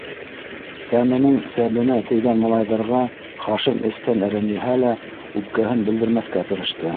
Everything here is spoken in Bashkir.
- Сәменең сәбенә тейгән малайҙарға Хашим эстән рәнйеһә лә, үпкәһен белдермәҫкә тырышты.